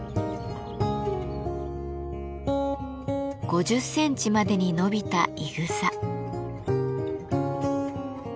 ５０センチまでに伸びたいぐさ。